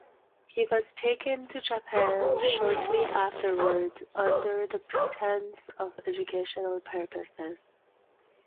He was taken to Japan shortly afterwards under the pretense of educational purposes.